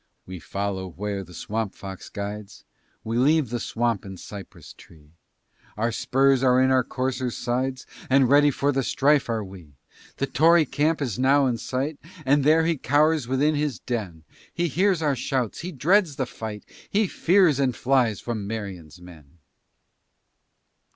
We follow where the Swamp Fox guides, We leave the swamp and cypress tree, Our spurs are in our coursers' sides, And ready for the strife are we. The Tory camp is now in sight, And there he cowers within his den; He hears our shouts, he dreads the fight, He fears, and flies from Marion's men.